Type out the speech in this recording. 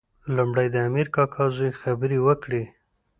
لومړی د امیر کاکا زوی خبرې وکړې.